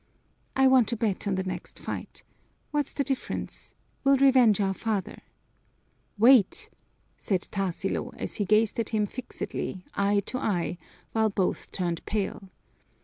I want to bet on the next fight. What's the difference? We'll revenge our father." "Wait!" said Tarsilo, as he gazed at him fixedly, eye to eye, while both turned pale.